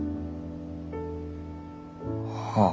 はあ。